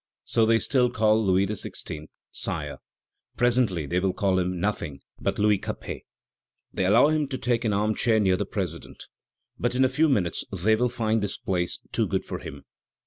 So they still called Louis XVI. Sire; presently they will call him nothing but Louis Capet. They allow him to take an armchair near the president; but in a few minutes they will find this place too good for him.